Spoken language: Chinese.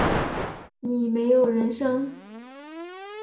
你没有人生